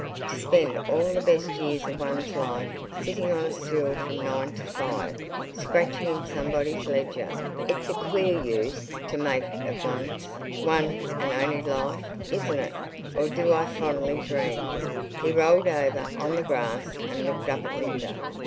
To spend all the best years of one's life sitting on a stool from nine to five, scratching in somebody's ledger! It's a queer use to make of one's... one and only life, isn't it? Or do I fondly dream?" He rolled over on the grass and looked up at Linda.